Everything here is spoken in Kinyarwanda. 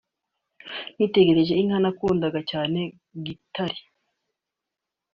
nitegereza inka nakundaga cyane Gitare